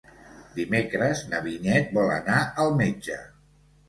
Dimecres na Vinyet vol anar al metge.